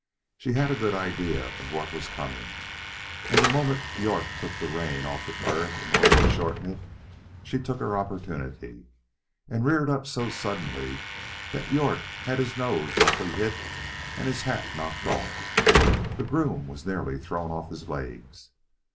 She had a good idea of what was coming, and the moment York took the rein off the turret in order to shorten it, she took her opportunity, and reared up so suddenly that York had his nose roughly hit and his hat knocked off; the groom was nearly thrown off his legs.